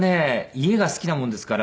家が好きなもんですから。